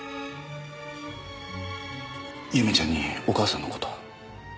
祐芽ちゃんにお母さんの事は？